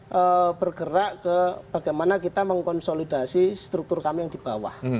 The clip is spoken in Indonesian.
kami bergerak ke bagaimana kita mengkonsolidasi struktur kami yang di bawah